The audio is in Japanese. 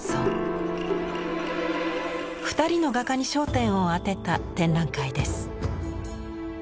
２人の画家に焦点を当てた展覧会です。